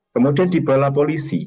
kemudian dibela polisi